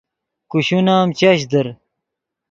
کوشون ام چش در